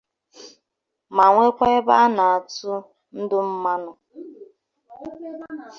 ma nwekwa ebe a na-atụ ndụ mmanụ